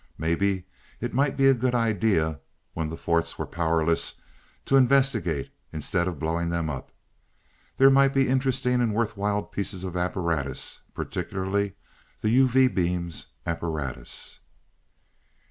Maybe it might be a good idea, when the forts were powerless to investigate instead of blowing them up. There might be many interesting and worthwhile pieces of apparatus particularly the UV beam's apparatus.